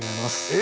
え！